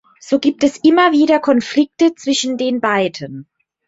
So gibt es immer wieder Konflikte zwischen den beiden.